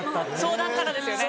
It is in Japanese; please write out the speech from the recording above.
相談からですよね。